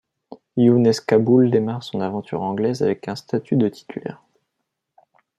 Younès Kaboul démarre son aventure anglaise avec un statut de titulaire.